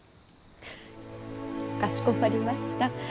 フッかしこまりました。